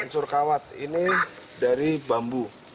unsur kawat ini dari bambu